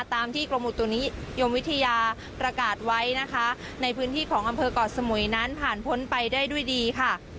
ตามที่กรมอุตุนิยมวิทยาประกาศไว้นะคะในพื้นที่ของอำเภอก่อสมุยนั้นผ่านพ้นไปได้ด้วยดีค่ะ